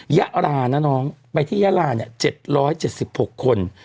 ยารานะน้องไปที่ยาลา๗๗๖คน